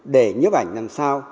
để nhếp ảnh làm sao